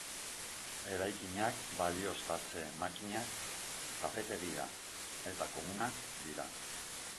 Eraikinak balioztatze-makinak, kafetegia eta komunak ditu.